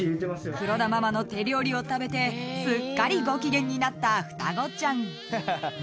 ［黒田ママの手料理を食べてすっかりご機嫌になった双子ちゃん］